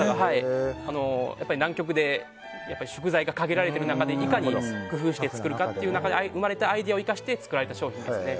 南極で食材が限られている中でいかに工夫して作るかという中で生まれたアイデアを生かして作られた商品ですね。